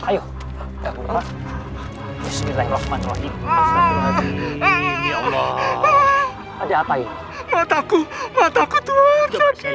saya lihat dulu matanya sebentar